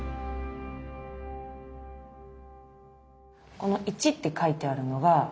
この「一」って書いてあるのは。